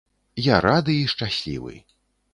Я рады і шчаслівы.